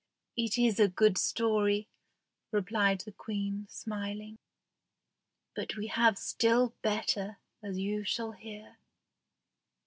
"It is a good story," replied the Queen, smiling; "but we have still better, as you shall hear."